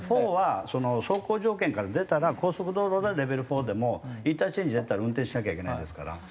４は走行条件から出たら高速道路でレベル４でもインターチェンジ出たら運転しなきゃいけないですから。